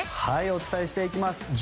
お伝えしていきます。